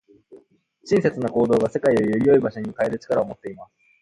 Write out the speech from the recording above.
親切な行動が、世界をより良い場所に変える力を持っています。